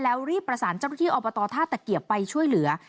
แล้วรีบประสานเจ้าหน้าที่อบตท่าตะเกียบไปช่วยเหลือ